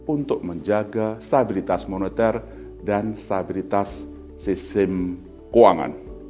untuk menjaga stabilitas moneter dan stabilitas sistem keuangan